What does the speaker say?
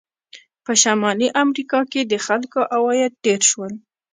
په شمالي امریکا کې د خلکو عواید ډېر شول.